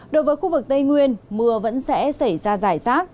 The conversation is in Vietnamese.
đối với khu vực tây nguyên mưa vẫn sẽ xảy ra giải rác